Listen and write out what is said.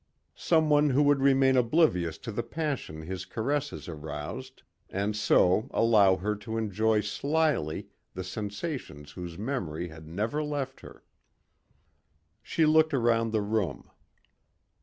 Someone who would remain oblivious to the passion his caresses aroused and so allow her to enjoy slyly the sensations whose memory had never left her. She looked around the room.